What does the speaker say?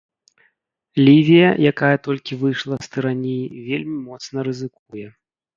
Лівія, якая толькі выйшла з тыраніі, вельмі моцна рызыкуе.